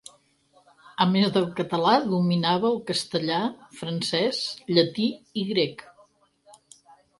A més del català, dominava el castellà, francès, llatí i grec.